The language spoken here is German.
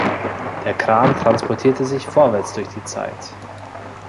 Der Kran transportierte sich vorwärts durch die Zeit.